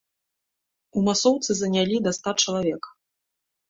У масоўцы занялі да ста чалавек.